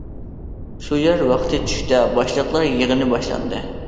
شۇ يەر ۋاقتى چۈشتە، باشلىقلار يىغىنى باشلاندى.